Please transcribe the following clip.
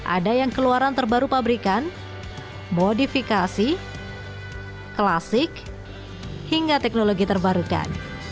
ada yang keluaran terbaru pabrikan modifikasi klasik hingga teknologi terbarukan